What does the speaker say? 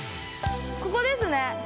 ここですね。